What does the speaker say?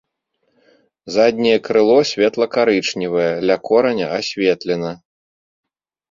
Задняе крыло светла-карычневае, ля кораня асветлена.